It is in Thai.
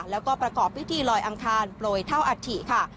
แล้วก็ประกอบพิธีลอยอังคารโปรยเท่าอัฐิค่ะ